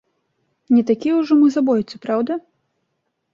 Не такія ўжо мы забойцы, праўда?